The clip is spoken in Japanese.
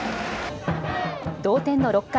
同点の６回。